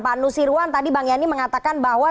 pak nusirwan tadi bang yani mengatakan bahwa